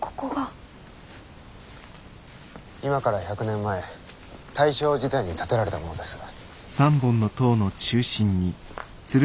今から１００年前大正時代に建てられたものです。